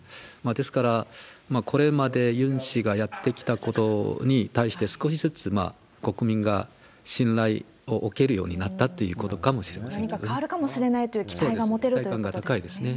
ですから、これまでユン氏がやってきたことに対して、少しずつ国民が信頼を置けるようになったっていうことかもしれま何か変わるかもしれないとい期待感が高いですね。